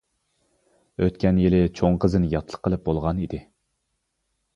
ئۆتكەن يىلى چوڭ قىزىنى ياتلىق قىلىپ بولغان ئىدى.